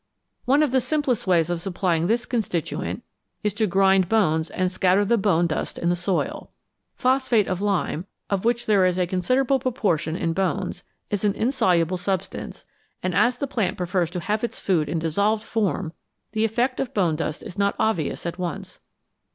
One of the simplest ways of supplying this constituent is to grind bones and scatter the bone dust in the soil. Phosphate of lime, of which there is a considerable proportion in bones, is an insoluble substance, and as the plant prefers to have its food in dissolved form, the effect of bone dust is not obvious at once.